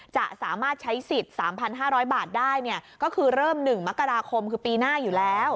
จะสามารถใช้สิทธิ์๓๕๐๐บาทได้ก็คือเริ่ม๑มกราคมคือปีหน้าอยู่แล้ว